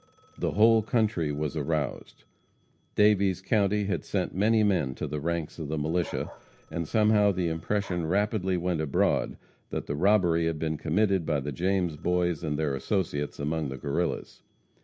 The whole country was aroused. Daviess county had sent many men to the ranks of the militia, and somehow the impression rapidly went abroad that the robbery had been committed by the James Boys and their old associates among the Guerrillas.